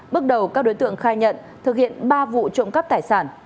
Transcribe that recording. bước đầu các đối tượng khai nhận thực hiện ba vụ trộm cắp tài sản